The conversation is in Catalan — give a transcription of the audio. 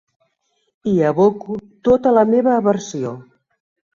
Hi aboco tota la meva aversió.